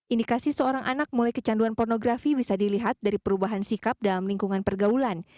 indikasi seorang anak mulai kecanduan pornografi bisa dilihat dari perubahan sikap dalam lingkungan pergaulan